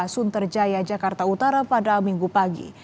sunterjaya jakarta utara pada minggu pagi